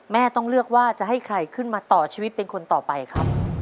ต้องเลือกว่าจะให้ใครขึ้นมาต่อชีวิตเป็นคนต่อไปครับ